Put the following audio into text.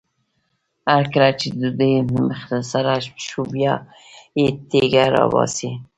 هر کله چې د ډوډۍ مخ سره شو بیا یې تیږه راباسي.